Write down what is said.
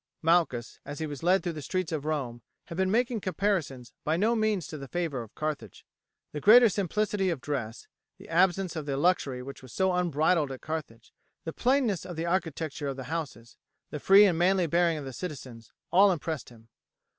Malchus, as he was led through the streets of Rome, had been making comparisons by no means to the favour of Carthage. The greater simplicity of dress, the absence of the luxury which was so unbridled at Carthage, the plainness of the architecture of the houses, the free and manly bearing of the citizens, all impressed him.